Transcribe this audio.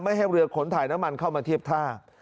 ให้เรือขนถ่ายน้ำมันเข้ามาเทียบท่า